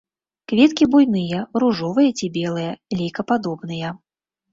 Кветкі буйныя, ружовыя ці белыя, лейкападобныя.